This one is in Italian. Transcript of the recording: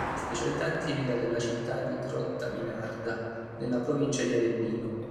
È una specialità tipica della città di Grottaminarda, nella provincia di Avellino.